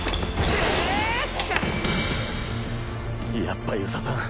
やっぱ遊佐さん